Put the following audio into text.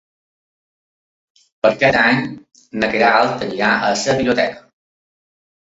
Per Cap d'Any na Queralt anirà a la biblioteca.